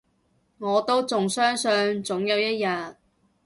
我都仲相信，總有一日